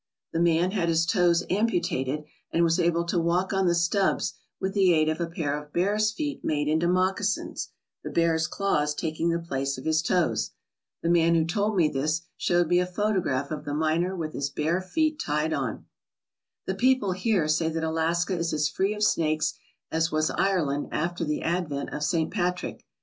The man had his toes ampu tated and was able to walk on the stubs with the aid of a pair of bear's feet made into moccasins, the bear's claws taking the place of his toes. The man who told me this showed me a photograph of the miner with his bear feet tied on. The people here say that Alaska is as free of snakes as was Ireland after the advent of St. Patrick.